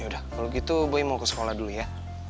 udah kalau gitu boy mau ke sekolah dulu ya